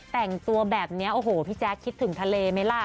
แต่งตัวแบบนี้โอ้โหพี่แจ๊คคิดถึงทะเลไหมล่ะ